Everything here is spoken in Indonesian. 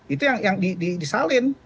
itu yang disalin